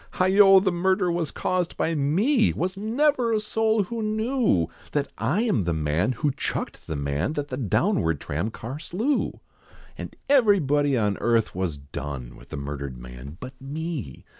Heigho! the murder was caused by me, Was never a soul who knew, That I am the man, who chucked the man, That the townward tram car slew! And everybody on earth was done With the murdered man, but me!